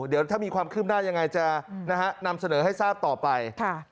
เดี๋ยวถ้ามีความคืบหน้ายังไงจะนำเสนอให้ทราบต่อไป